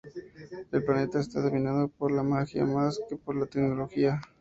El planeta está dominado por la magia más que por la tecnología.